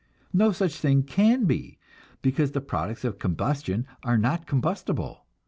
No such thing can be, because the products of combustion are not combustible.